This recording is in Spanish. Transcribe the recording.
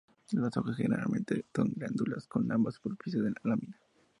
Las hojas generalmente con glándulas en ambas superficies de la lámina.